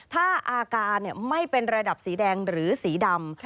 ถ้าอาการไม่เป็นระดับสีแดงหรือสีดำ